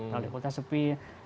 balik kota sepi